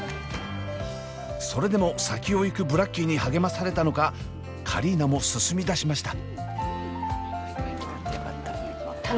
それでも先をゆくブラッキーに励まされたのかカリーノも進みだしました。